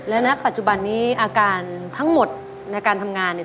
และณปัจจุบันนี้อาการทั้งหมดในการทำงานเนี่ย